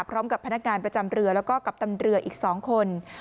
พร้อมกับพนักงานประจำเรือแล้วก็กัปตันเรืออีก๒คน